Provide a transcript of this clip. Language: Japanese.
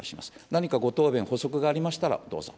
何かご答弁、補足がありましたらどうぞ。